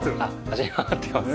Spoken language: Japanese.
走り回ってます。